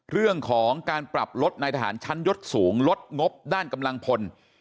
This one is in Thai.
เรื่องของการปรับลดนายทหารชั้นยศสูงลดงบด้านกำลังพล